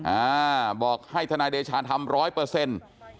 อ่าบอกให้ทนายเดชาทำร้อยเปอร์เซ็นต์